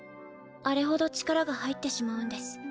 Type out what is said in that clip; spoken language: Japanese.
あれほど力が入ってしまうんです。